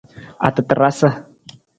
Atatarasa.